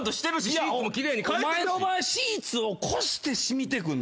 お前の場合シーツを越して染みてくんねん。